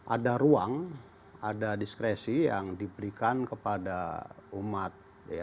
ada ruang ada diskresi yang diberikan kepada umat